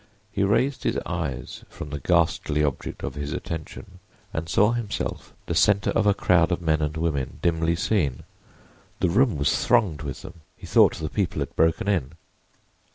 He raised his eyes from the ghastly object of his attention and saw himself the center of a crowd of men and women dimly seen; the room was thronged with them. He thought the people had broken in.